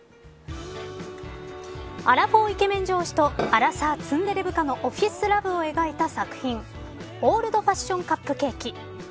アラフォーイケメン上司とアラサーツンデレ部下のオフィスラブを描いた作品オールドファッションカップケーキ。